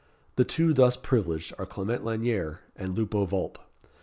The two thus privileged are Clement Lanyere and Lupo Vulp.